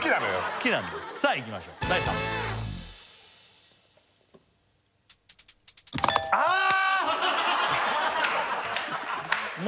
好きなんださあいきましょう第３問あっ！